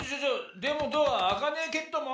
でもドアあかねえけっども。